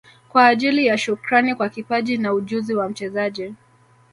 Kwa ajili ya Shukrani kwa kipaji na ujuzi wa mchezaji